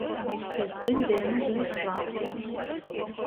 Piec cik dīnu byus svātki?